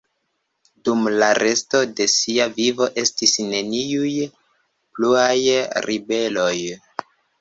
Dum la resto de sia vivo estis neniuj pluaj ribeloj.